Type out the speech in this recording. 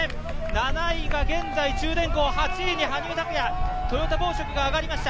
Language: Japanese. ７位が中電工、８位に羽生拓矢トヨタ紡織が上がりました。